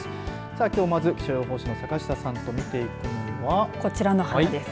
さあ、きょう、まず気象予報士の坂下さんと見ていくのがこちらの花です。